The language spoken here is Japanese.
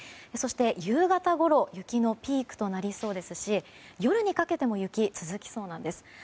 そして、夕方ごろが雪のピークとなりそうですし夜にかけても雪が続きそうなんです。